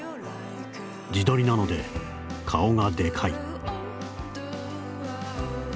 自撮りなので顔がデカい。」。